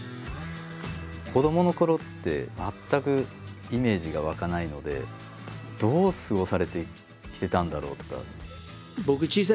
子どものころって全くイメージが湧かないのでどう過ごされてきてたんだろうとか。